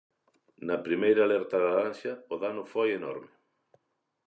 Na primeira alerta laranxa, o dano foi enorme.